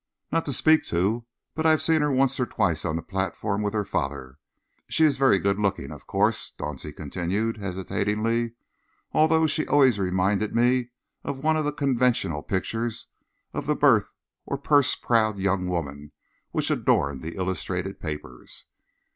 "Not to speak to, but I've seen her once or twice on the platform with her father. She is very good looking, of course," Dauncey continued hesitatingly, "although she always reminded me of one of the conventional pictures of the birth or purse proud young women which adorn the illustrated papers."